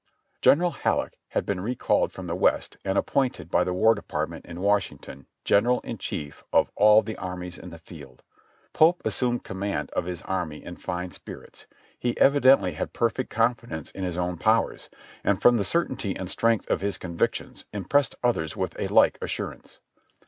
General Halleck had been recalled from the V/est and ap pointed by the War Department in Washington, general in chief 01 all the armies in the field. Pope assumed command of his army in fine spirits. He evi dently had perfect confidence in his own powers, and from the certainty and strength of his convictions impressed others with a like assurance.